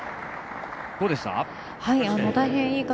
どうでしたか。